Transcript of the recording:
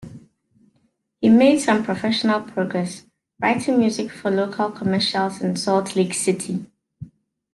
He made some professional progress writing music for local commercials in Salt Lake City.